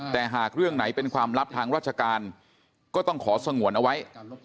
แต่หากเรื่องไหนเป็นความลับทางราชการก็ต้องขอสงวนเอาไว้